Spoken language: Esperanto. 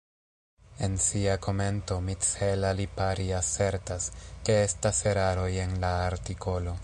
En sia komento Michela Lipari asertas, ke estas eraroj en la artikolo.